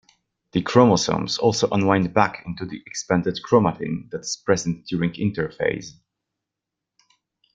The chromosomes also unwind back into the expanded chromatin that is present during interphase.